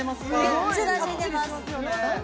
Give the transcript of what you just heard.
めっちゃなじんでます